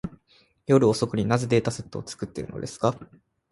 夜遅くに、なぜデータセットを作っているのですか。